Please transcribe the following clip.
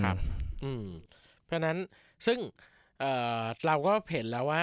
เพราะฉะนั้นซึ่งเราก็เห็นแล้วว่า